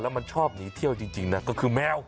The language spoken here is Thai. มันชอบหนีเที่ยวจริงนะก็คือแมว